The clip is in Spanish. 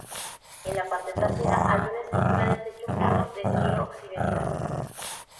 En la parte trasera hay una estructura de techo plano de estilo occidental.